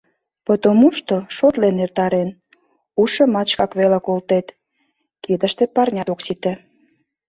Потомушто, шотлен эртарен, ушымат шкак веле колтет, кидыште парнят ок сите.